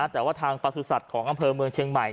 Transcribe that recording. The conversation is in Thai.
แต่ว่าทางประสุทธิ์ของอำเภอเมืองเชียงใหม่